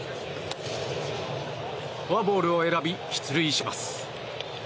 フォアボールを選び出塁します。